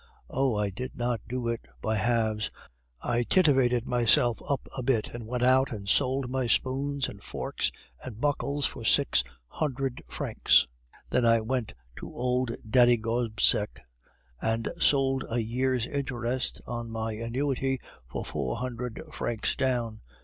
Oh! I did not do it by halves; I titivated myself up a bit, and went out and sold my spoons and forks and buckles for six hundred francs; then I went to old Daddy Gobseck, and sold a year's interest on my annuity for four hundred francs down.